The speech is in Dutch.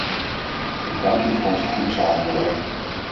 Ik dank u voor onze goede samenwerking.